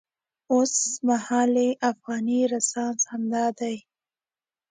اوسمهالی افغاني رنسانس همدا دی.